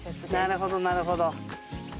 なるほどなるほど。